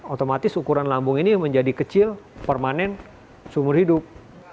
otomatis ukuran lambung ini menjadi kecil permanen seumur hidup